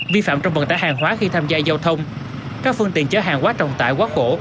vi phạm trong vận tải hàng hóa khi tham gia giao thông các phương tiện chở hàng quá trọng tải quá khổ